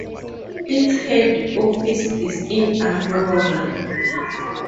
Its head office is in Aurora.